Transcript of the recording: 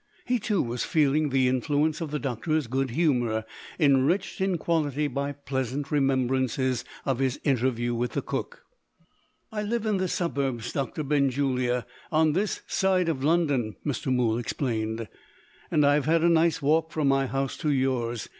He too was feeling the influence of the doctor's good humour enriched in quality by pleasant remembrances of his interview with the cook. "I live in the suburbs, Doctor Benjulia, on this side of London," Mr. Mool explained; "and I have had a nice walk from my house to yours.